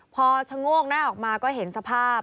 พอชะโงกหน้าออกมาก็เห็นสภาพ